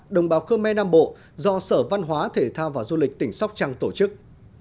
đồng bào khơ me nam bộ do sở văn hóa thể thao và du lịch tỉnh sóc trăng tổ chức